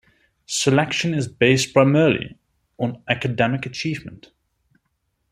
Selection is based primarily on academic achievement.